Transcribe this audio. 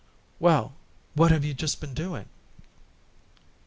"Well, what have you just been doing?"